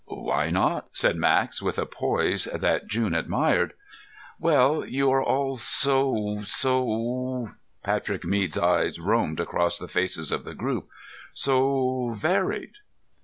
"Why not?" said Max with a poise that June admired. "Well, you are all so so " Patrick Mead's eyes roamed across the faces of the group. "So varied."